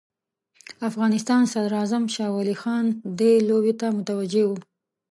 افغانستان صدراعظم شاه ولي خان دې لوبې ته متوجه وو.